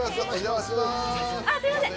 あっすいません。